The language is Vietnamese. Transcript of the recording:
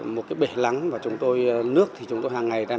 một cái bể lắng và chúng tôi nước thì chúng tôi hàng ngày